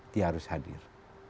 dia harus hadir